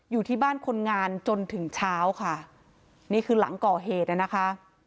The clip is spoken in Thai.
อยู่ที่บ้านคนงานจนถึงเช้าค่ะนี่คือหลังก่อเหตุนะคะ